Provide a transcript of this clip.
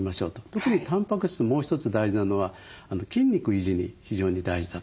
特にタンパク質もう一つ大事なのは筋肉維持に非常に大事だと。